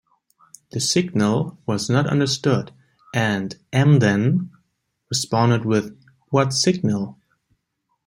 The signal was not understood, and "Emden" responded with "What signal?